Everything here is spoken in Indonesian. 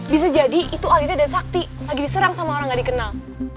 bisa jadi itu alida dan sakti lagi diserang sama orang gak dikenal